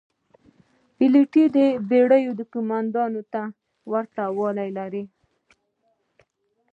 پیلوټ د بېړۍ قوماندان ته ورته رول لري.